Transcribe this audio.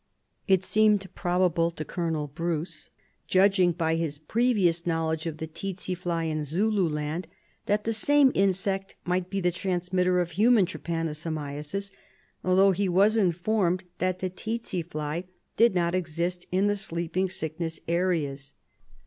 It seemed probable to Colonel Bruce, judging by his previous knowledge of the tsetse fly in Zululand, that the same insect might be the transmitter of human trypanoso miasis, although he was informed that the tsetse fly did not exist in the sleeping sickness areas.